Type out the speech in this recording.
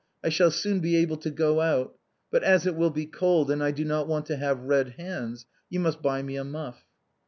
I shall soon be able to go out, but as it will be cold, and I do not want to have red hands, you must buy me a muff."